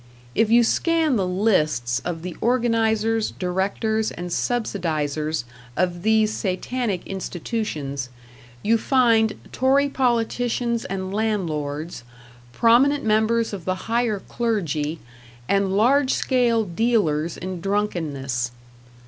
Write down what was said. If you scan the lists of the organizers, directors and subsidizers of these satanic institutions, you find Tory politicians and landlords, prominent members of the higher clergy, and large scale dealers in drunkenness.